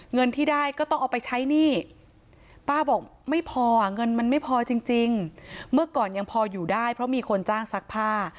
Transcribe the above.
เงินที่ได้ก็ต้องเอาไปใช้หนี้ป้าบอกไม่พออ่ะเงินมันไม่พอจริงเมื่อก่อนยังพออยู่ได้เพราะมีคนจ้างซักผ้า